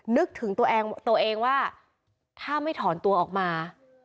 นึกถึงตัวเองตัวเองว่าถ้าไม่ถอนตัวออกมา